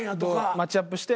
マッチアップして。